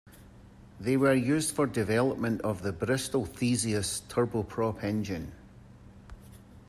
They were used for development of the Bristol Theseus turboprop engine.